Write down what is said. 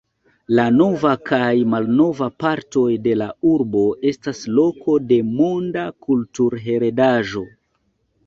La nova kaj malnova partoj de la urbo estas loko de Monda kulturheredaĵo.